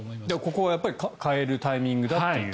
ここは変えるタイミングだっていう。